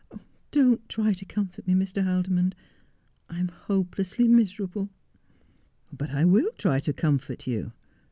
' Don't try to comfort me, Mr. Haldimond. I am hopelessly miserable.' ' But I will try to comfort you.